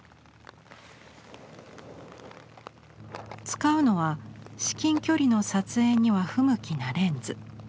使うのは至近距離の撮影には不向きなレンズ。